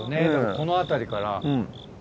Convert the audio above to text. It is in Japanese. この辺りか。